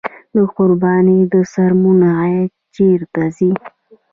د قربانۍ د څرمنو عاید چیرته ځي؟